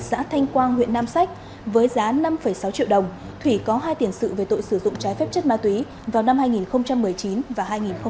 xã thanh quang huyện nam sách với giá năm sáu triệu đồng thủy có hai tiền sự về tội sử dụng trái phép chất ma túy vào năm hai nghìn một mươi chín và hai nghìn một mươi chín